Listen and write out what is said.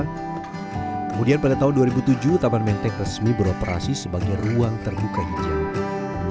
kemudian pada tahun dua ribu tujuh taman menteng resmi beroperasi sebagai ruang terbuka hijau